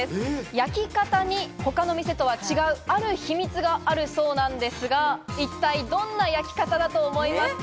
焼き方に他の店とは違う、ある秘密があるそうなんですが、一体どんな焼き方だと思いますか？